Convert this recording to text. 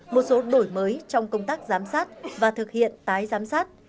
một số đổi mới trong công tác giám sát và thực hiện tái giám sát